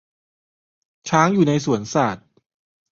ช้างอยู่ในสวนสัตว์